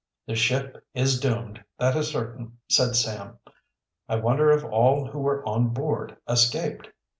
"The ship is doomed, that is certain," said Sam. "I wonder if all who were on board escaped?"